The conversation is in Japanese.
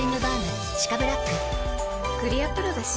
クリアプロだＣ。